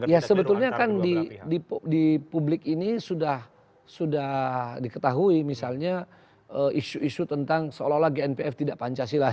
ya sebetulnya kan di publik ini sudah diketahui misalnya isu isu tentang seolah olah gnpf tidak pancasila